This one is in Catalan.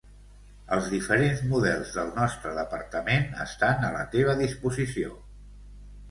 Els diferents models del nostre Departament estan a la teva disposició.